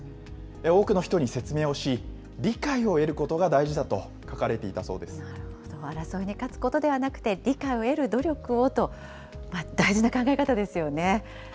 多くの人に説明をし、理解を得ることが大事だと書かれていたそう争いに勝つことではなくて、理解を得る努力をと、大事な考え方ですよね。